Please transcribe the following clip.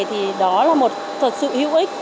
thì đó là một thật sự hữu ích